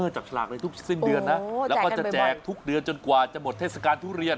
จากสลากในทุกสิ้นเดือนนะแล้วก็จะแจกทุกเดือนจนกว่าจะหมดเทศกาลทุเรียน